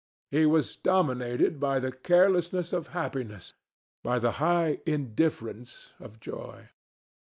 He was dominated by the carelessness of happiness, by the high indifference of joy.